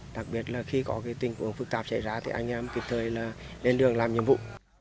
đặc biệt là khi có tình huống phức tạp xảy ra thì anh em kịp thời lên đường làm nhiệm vụ